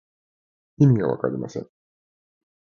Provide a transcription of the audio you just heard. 意味がわかりません。